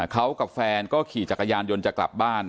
เขากับแฟนก็ขี่จักรยานยนต์จะกลับบ้าน